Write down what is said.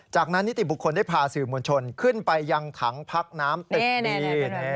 จากนั้นนิติบุคคลได้พาสื่อมวลชนขึ้นไปยังถังพักน้ำตึกดี